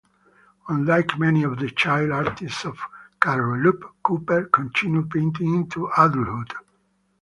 Unlike many of the child artists of Carrolup, Cooper continued painting into adulthood.